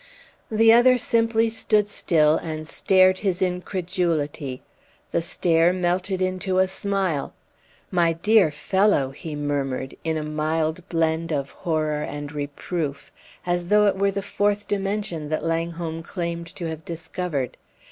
The other simply stood still and stared his incredulity. The stare melted into a smile. "My dear fellow!" he murmured, in a mild blend of horror and reproof, as though it were the fourth dimension that Langholm claimed to have discovered.